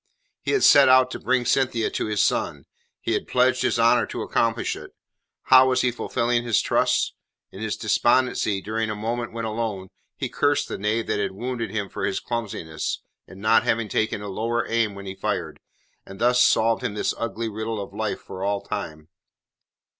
He had set out to bring Cynthia to his son; he had pledged his honour to accomplish it. How was he fulfilling his trust? In his despondency, during a moment when alone, he cursed the knave that had wounded him for his clumsiness in not having taken a lower aim when he fired, and thus solved him this ugly riddle of life for all time.